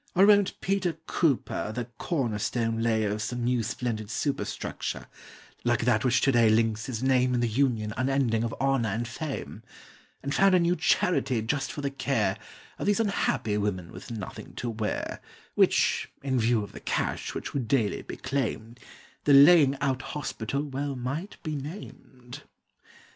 Or won't Peter Cooper The corner stone lay of some new splendid super Structure, like that which to day links his name In the Union unending of Honor and Fame; And found a new charity just for the care Of these unhappy women with nothing to wear, Which, in view of the cash which would daily be claimed, The Laying out Hospital well might be named?